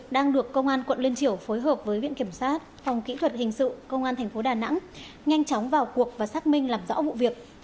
đang được công an quận liên triểu phối hợp với viện kiểm sát phòng kỹ thuật hình sự công an tp đà nẵng nhanh chóng vào cuộc và xác minh làm rõ vụ việc